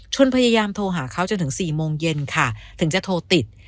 พยายามโทรหาเขาจนถึง๔โมงเย็นค่ะถึงจะโทรติด